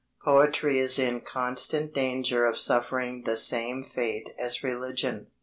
Poetry is in constant danger of suffering the same fate as religion.